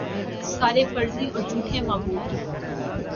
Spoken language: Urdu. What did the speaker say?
سارے فرضی اور جھوٹے معبود ہیں